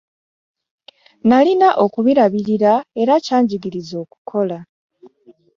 Nalina okubirabirira era kyanjigiriza okukola.